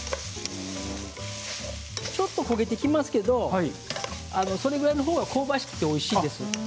ちょっと焦げてきますけどそれくらいのほうが香ばしくておいしいです。